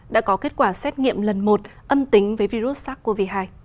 đã có kết quả xét nghiệm lần một âm tính với virus sars cov hai